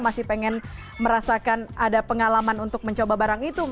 masih pengen merasakan ada pengalaman untuk mencoba barang itu